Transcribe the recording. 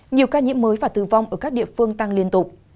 nhiều ca nhiễm mới và tử vong ở các địa phương tăng liên tục